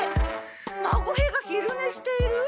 孫兵が昼ねしている。